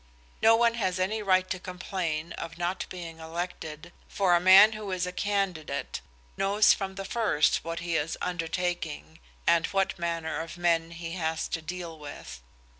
No one has any right to complain of not being elected, for a man who is a candidate knows from the first what he is undertaking, and what manner of men he has to deal with.